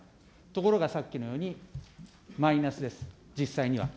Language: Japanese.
ところが、さっきのようにマイナスです、実際には。